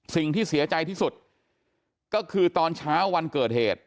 สิ่งที่เสียใจที่สุดก็คือตอนเช้าวันเกิดเหตุ